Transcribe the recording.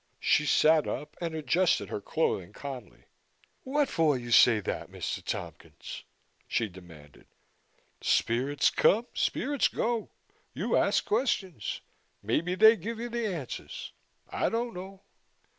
She sat up and adjusted her clothing calmly. "What for you say that, Mr. Tompkins?" she demanded. "Spirits come, and spirits go. You ask questions. Maybe they give you the answers. I don't know."